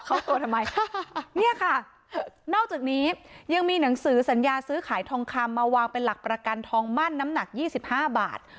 เข้าตัวทำไมเนี่ยค่ะนอกจากนี้ยังมีหนังสือสัญญาซื้อขายทองคำมาวางเป็นหลักประกันทองมั่นน้ำหนัก๒๕บาท